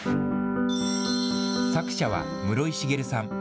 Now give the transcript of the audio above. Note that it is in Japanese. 作者は室井滋さん。